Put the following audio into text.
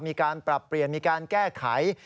มีการปรับเปลี่ยนมีการแก้ไข